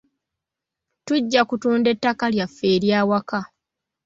Tujja kutunda ettaka lyaffe ery'awaka.